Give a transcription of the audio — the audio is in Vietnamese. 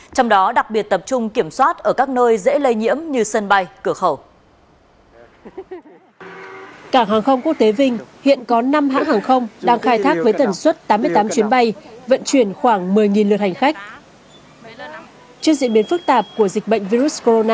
trong đó đặc biệt tập trung kiểm soát ở các nơi dễ lây nhiễm như sân bay cửa khẩu